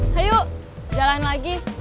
hayuk jalan lagi